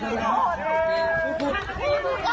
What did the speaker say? ครูบูลขอโทษอย่างงี้ก่อน